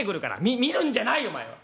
「み見るんじゃないよお前は。